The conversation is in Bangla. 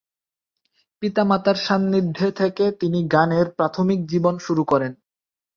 পিতা মাতার সান্নিধ্যে থেকে তিনি গানের প্রাথমিক জীবন শুরু করেন।